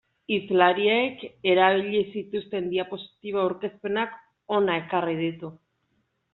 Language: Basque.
Hizlariek erabili zituzten diapositiba aurkezpenak hona ekarri ditut.